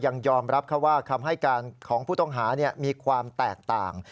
ยังยอมรับว่าคำให้การของผู้ต้องหามีความแตกต่าง